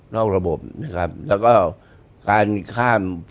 ระบบนะครับแล้วก็การข้าม